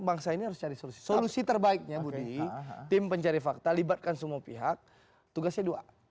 bangsa ini harus cari solusi terbaiknya budi tim pencari fakta libatkan semua pihak tugasnya dua